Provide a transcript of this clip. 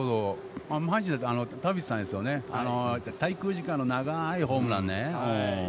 田淵さんですよね、滞空時間の長いホームランね。